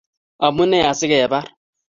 amune asikebar?